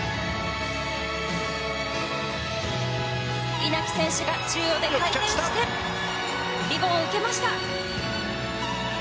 稲木選手が中央で回転してリボンを受けました。